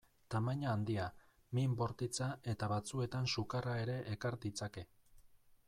Tamaina handia, min bortitza eta batzuetan sukarra ere ekar ditzake.